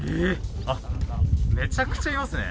めちゃくちゃいますね。